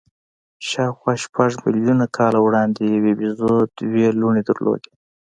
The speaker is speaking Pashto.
شاوخوا شپږ میلیونه کاله وړاندې یوې بیزو دوې لوڼې درلودې.